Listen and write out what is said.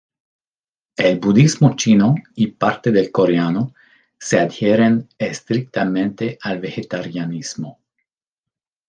El budismo chino y parte del coreano se adhieren estrictamente al vegetarianismo.